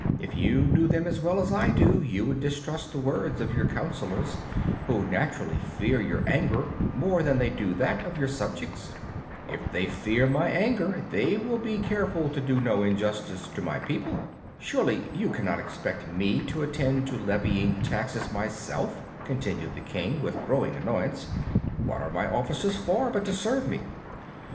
If you knew them as well as I do, you would distrust the words of your councilors, who naturally fear your anger more than they do that of your subjects." "If they fear my anger they will be careful to do no injustice to my people. Surely you cannot expect me to attend to levying the taxes myself," continued the King, with growing annoyance. "What are my officers for, but to serve me?"